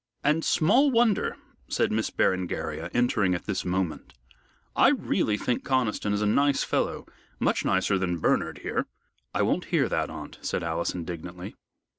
"And small wonder," said Miss Berengaria, entering at this moment. "I really think Conniston is a nice fellow much better than Bernard, here." "I won't hear that, aunt," said Alice, indignantly.